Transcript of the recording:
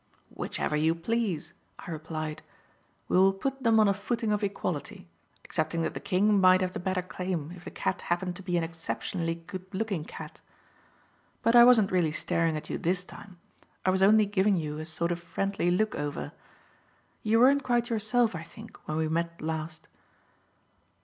"Whichever you please," I replied. "We will put them on a footing of equality, excepting that the king might have the better claim if the cat happened to be an exceptionally good looking cat. But I wasn't really staring at you this time, I was only giving you a sort of friendly look over. You weren't quite yourself, I think, when we met last."